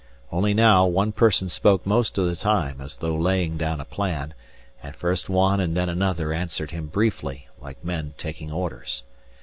Only now, one person spoke most of the time, as though laying down a plan, and first one and then another answered him briefly, like men taking orders.